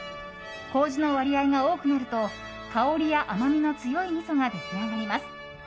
麹の割合が多くなると香りや甘みが強いみそが出来上がります。